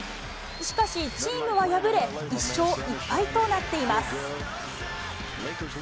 しかし、チームは敗れ、１勝１敗となっています。